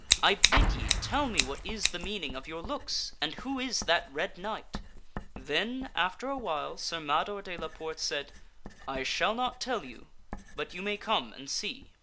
I bid ye tell me what is the meaning of your looks, and who is that red knight !" Then after a while Sir Mador de la Porte said, " I shall not tell you, but you may come and see."